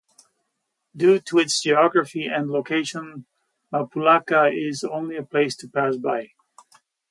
Due to its geography and location, Mapulaca is only a place to pass by.